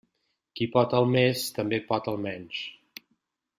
Qui pot el més també pot el menys.